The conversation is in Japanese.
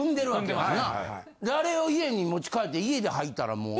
であれを家に持ち帰って家で履いたらもう。